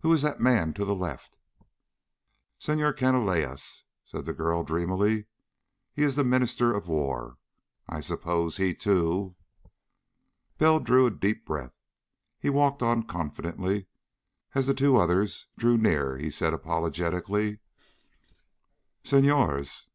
"Who is the man to the left?" "Senhor Canalejas," said the girl drearily. "He is the Minister of War. I suppose he, too...." Bell drew a deep breath. He walked on, confidently. As the two others drew near he said apologetically: "Senhores."